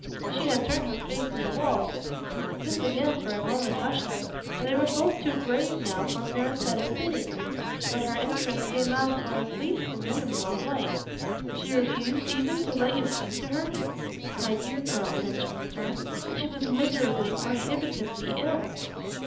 "She had turned her face to the wall." This again for a moment hushed her, and they were both too grave now for parenthetic pity. But her interest came out for at least the minimum of light. "She refused even to let you speak to her?" "My dear girl," Densher returned, "she was miserably, prohibitively ill."